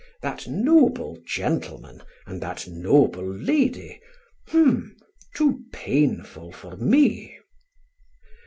"That noble gentleman and that noble lady h'm too painful for me."